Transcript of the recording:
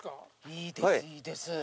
いいですいいです。